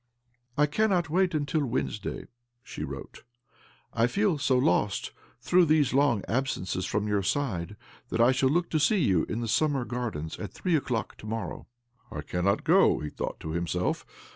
'' I cannot wait until Wednesday," she wrote .' 1 feel so lost throug'h these long absences from your side that I shall look to see you in the Summer Garidens at three o'clock to morrow." ' 1 cannot go," he thought toi himself.